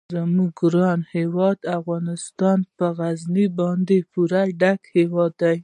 زموږ ګران هیواد افغانستان په غزني باندې پوره ډک هیواد دی.